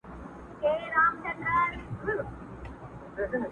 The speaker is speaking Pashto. زمري وویل خوږې کوې خبري!.